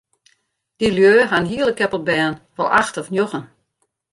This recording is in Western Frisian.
Dy lju ha in hiele keppel bern, wol acht of njoggen.